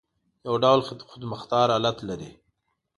یو ډول خودمختار حالت لري.